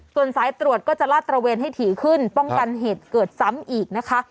ส่วนสายตรวจก็จะลาดตระเวนให้ถี่ขึ้นป้องกันเหตุเกิดซ้ำอีกนะคะ